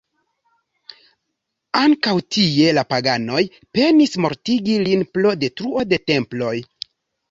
Ankaŭ tie la paganoj penis mortigi lin pro detruo de temploj.